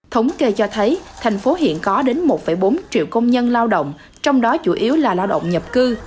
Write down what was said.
thống kê cho thấy thành phố hiện có đến một bốn triệu công nhân lao động trong đó chủ yếu là lao động nhập cư